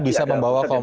bisa membawa ke